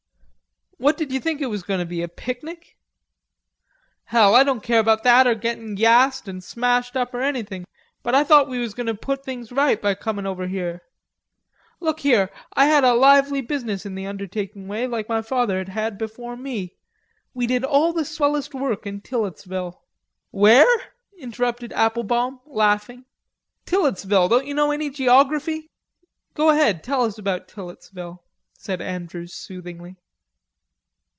"What did ye think it was goin' to be, a picnic?" "Hell, I doan care about that, or gettin' gassed, and smashed up, or anythin', but I thought we was goin' to put things to rights by comin' over here.... Look here, I had a lively business in the undertaking way, like my father had had before me.... We did all the swellest work in Tilletsville...." "Where?" interrupted Applebaum, laughing. "Tilletsville; don't you know any geography?" "Go ahead, tell us about Tilletsville," said Andrews soothingly.